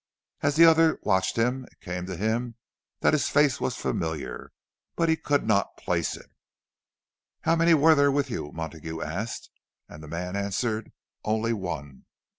As the other watched him, it came to him that this face was familiar; but he could not place it. "How many were there with you?" Montague asked; and the man answered, "Only one."